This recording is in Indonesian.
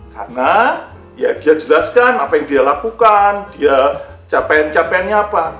karena ya dia jelaskan apa yang dia lakukan dia capaian capaiannya apa